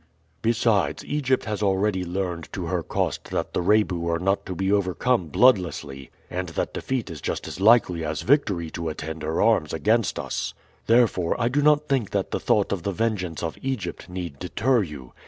"Besides, Egypt has already learned to her cost that the Rebu are not to be overcome bloodlessly, and that defeat is just as likely as victory to attend her arms against us. Therefore I do not think that the thought of the vengeance of Egypt need deter you.